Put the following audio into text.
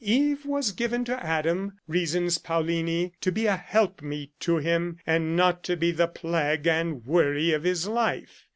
Eve was given to Adam, reasons Paullini, to be a helpmeet to him, and not to be the plague and worry of his life.